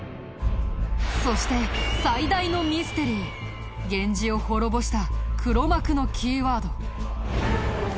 そして最大のミステリー源氏を滅ぼした黒幕のキーワード。